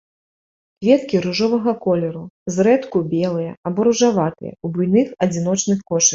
Кветкі ружовага колеру, зрэдку белыя або ружаватыя, у буйных адзіночных кошыках.